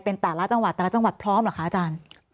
เป็นแต่ละจังหวัดแต่ละจังหวัดพร้อมเหรอคะอาจารย์